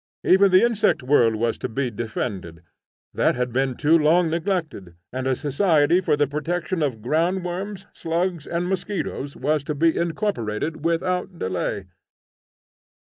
Even the insect world was to be defended, that had been too long neglected, and a society for the protection of ground worms, slugs, and mosquitos was to be incorporated without delay.